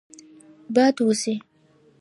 باد وزي.